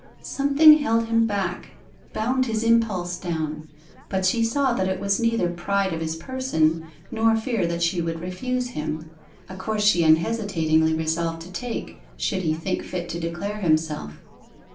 Something held him back, bound his impulse down, but she saw that it was neither pride of his person, nor fear that she would refuse him a course she unhesitatingly resolved to take should he think fit to declare himself.